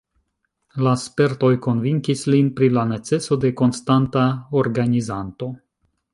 La spertoj konvinkis lin pri la neceso de konstanta organizanto.